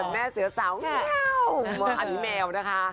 แม่เสือสาวแงวอันนี้แมวนะคะ